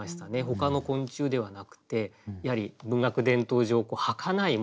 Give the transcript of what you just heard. ほかの昆虫ではなくてやはり文学伝統上はかないものとしての蛍。